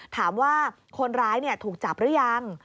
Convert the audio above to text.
ถามว่าคนร้ายถูกจับหรือยัง